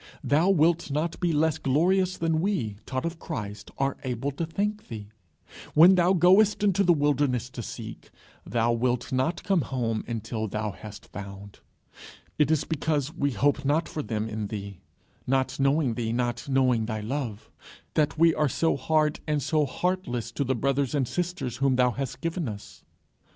thou wilt not be less glorious than we, taught of Christ, are able to think thee. When thou goest into the wilderness to seek, thou wilt not come home until thou hast found. It is because we hope not for them in thee, not knowing thee, not knowing thy love, that we are so hard and so heartless to the brothers and sisters whom thou hast given us.